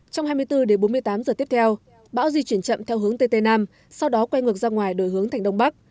trong hai mươi bốn đến bốn mươi tám giờ tiếp theo bão di chuyển chậm theo hướng tt nam sau đó quay ngược ra ngoài đổi hướng thành đông bắc